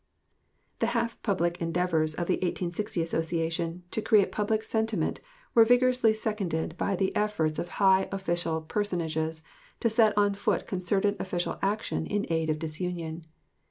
The half public endeavors of "The 1860 Association" to create public sentiment were vigorously seconded by the efforts of high official personages to set on foot concerted official action in aid of disunion.